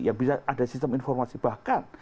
ada sistem informasi bahkan